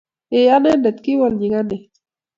eeh anendet, kiwol nyikanet